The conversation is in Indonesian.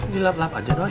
dilap lap aja doi